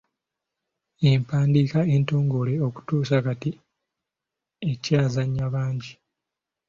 Empandiika entongole okutuusa kati ekyazannya bangi.